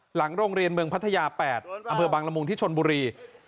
หลังโรงเรียนเมืองพัทยา๘อำเภอบางละมุงที่ชนบุรี